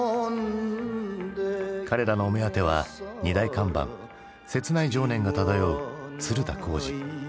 彼らのお目当ては２大看板切ない情念が漂う鶴田浩二。